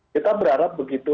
kita berharap begitu